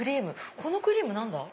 このクリーム何だ？